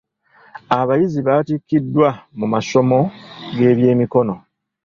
Abayizi baatikkiddwa mu masomo g'eby'emikono.